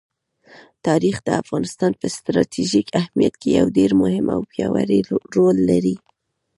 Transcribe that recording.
تاریخ د افغانستان په ستراتیژیک اهمیت کې یو ډېر مهم او پیاوړی رول لري.